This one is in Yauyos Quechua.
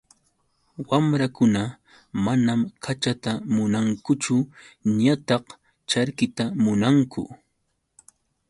Wamrakuna manam kachata munankuchu ñataq charkita munanku.